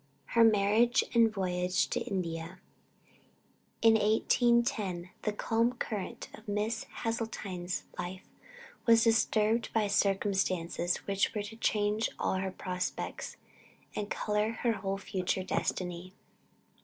HER MARRIAGE, AND VOYAGE TO INDIA. In 1810, the calm current of Miss Hasseltine's life was disturbed by circumstances which were to change all her prospects, and color her whole future destiny.